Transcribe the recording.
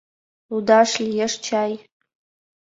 Лудаш лиеш чай?